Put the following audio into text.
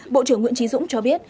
bộ trưởng nguyễn trí dũng cho biết